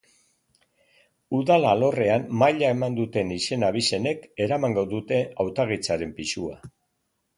Udal alorrean maila eman duten izen-abizenek eramango dute hautagaitzaren pisua.